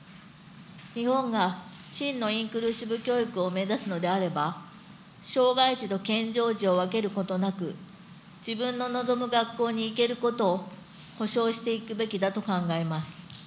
日本が真のインクルーシブ教育を目指すのであれば、障害児と健常児を分けることなく、自分の望む学校に行けることを保障していくべきだと考えます。